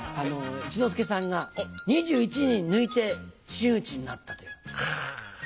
一之輔さんが２１人抜いて真打ちになったという。